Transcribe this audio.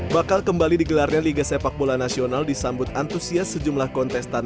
bakal kembali digelarnya liga sepak bola nasional disambut antusias sejumlah kontestan